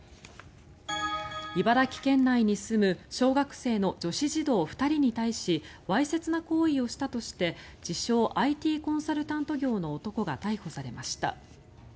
茨城県内に住む小学生の女子児童２人に対しわいせつな行為をしたとして自称・ＩＴコンサルタント業の男が逮捕されました。